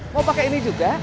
mau pakai ini juga